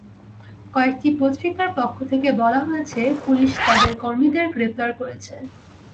কয়েকটি পত্রিকার পক্ষ থেকে বলা হয়েছে, পুলিশ তাদের কর্মীদের গ্রেপ্তার করেছে।